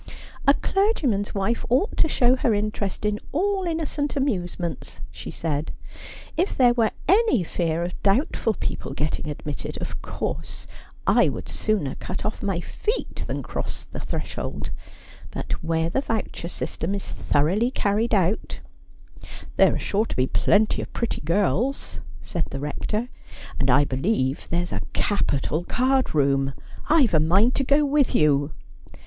' A clergyman's wife ought to show her interest in all inno cent amusements,' she said. ' If there were any fear of doubt ful people getting admitted, of course I would sooner cut off my feet than cross the threshold ; but where the voucher system is so thoroughly carried out '' There are sure to be plenty of pretty girls,' said the Rector, ' and I believe there's a capital card room. I've a good mind to go with you.'